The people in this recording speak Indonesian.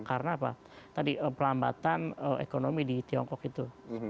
karena apa tadi perlambatan ekonomi di tiongkok itu